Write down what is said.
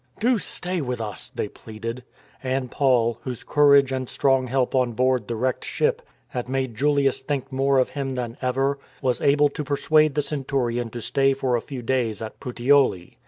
" Do stay with us," they pleaded. And Paul, whose courage and strong help on board the wrecked ship had made Julius think more of him than ever, was able to persuade the centurion to stay for a few days at Puteoli.